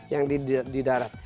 yang di darat